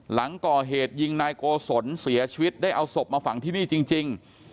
หลังก่อเหตุยิงนายโกศลเสียชีวิตได้เอาศพมาฝังที่นี่จริง